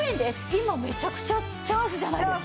今めちゃくちゃチャンスじゃないですか！